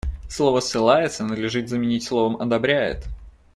Слово «ссылается» надлежит заменить словом «одобряет».